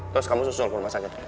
terus kamu susul ke rumah sakit